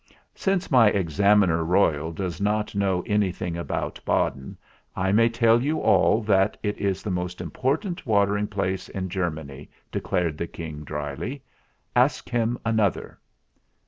"Since my Examiner Royal does not know anything about Baden, I may tell you all that it is the most important watering place in Ger many," declared the King drily. "Ask him another."